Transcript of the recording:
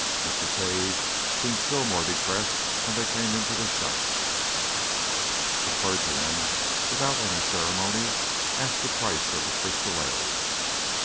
Mr. Cave seemed still more depressed when they came into the shop. The clergyman, without any ceremony, asked the price of the crystal egg.